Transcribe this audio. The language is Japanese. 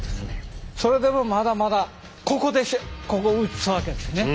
それでもまだまだここでここを打つわけですね。